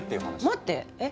待って。